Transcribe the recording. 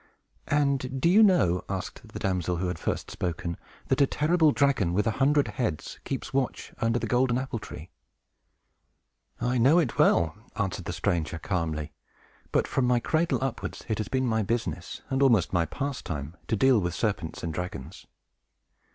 "And do you know," asked the damsel who had first spoken, "that a terrible dragon, with a hundred heads, keeps watch under the golden apple tree?" "I know it well," answered the stranger, calmly. "But, from my cradle upwards, it has been my business, and almost my pastime, to deal with serpents and dragons."